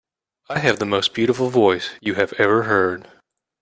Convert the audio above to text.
I have the most beautiful voice you have ever heard.